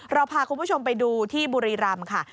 เราพาคุณผู้ชมไปดูที่บุรีรำค่ะ